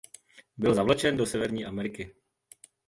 Byl zavlečen do Severní Ameriky.